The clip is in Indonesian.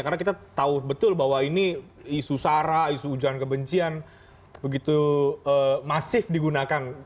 karena kita tahu betul bahwa ini isu sara isu hujan kebencian begitu masif digunakan